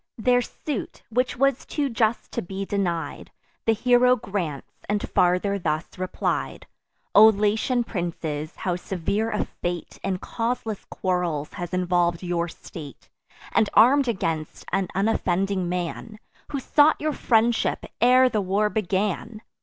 Their suit, which was too just to be denied, The hero grants, and farther thus replied: "O Latian princes, how severe a fate In causeless quarrels has involv'd your state, And arm'd against an unoffending man, Who sought your friendship ere the war began!